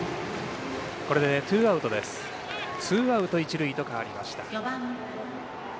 これでツーアウト、一塁と変わりました。